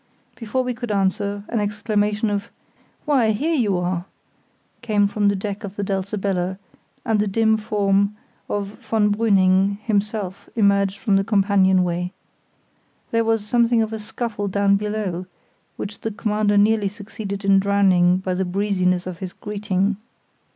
Before we could answer, an exclamation of: "Why, here they are!" came from the deck of the Dulcibella, and the dim form of von Brüning himself emerged from the companionway. There was something of a scuffle down below, which the Commander nearly succeeded in drowning by the breeziness of his greeting.